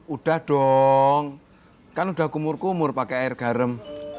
udah dong kan udah kumur kumur pakai air garam